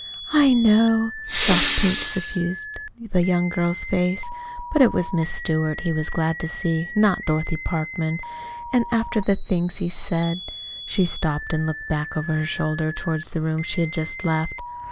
"I know." A soft pink suffused the young girl's face. "But it was 'Miss Stewart' he was glad to see, not Dorothy Parkman. And, after the things he said " She stopped and looked back over her shoulder toward the room she had just left.